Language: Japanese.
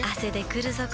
くるぞ？